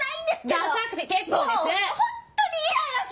ダサくて結構です！